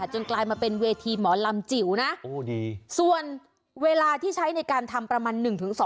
กลายมาเป็นเวทีหมอลำจิ๋วนะส่วนเวลาที่ใช้ในการทำประมาณ๑๒